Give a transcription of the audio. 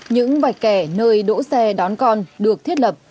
những vạch kẻ nơi đỗ xe đón con được thiết lập